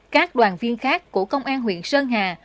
các đoàn viên khác của công an huyện sơn hà